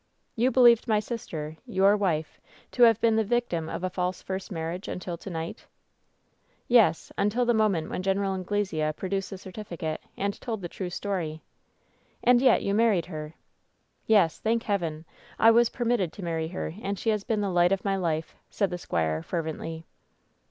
I "You believed my sister, your wife, to have been the victim of a false first marriage until to night ?" "Yes, imtil the moment when Gen. Anglesea produced the certificate, and told the true story." WHEN SHADOWS DIE 847 "And yet you married her !" "Yes, thank Heaven, I was permitted to marry her, and she has been the light of .my life," said the squire, fervently.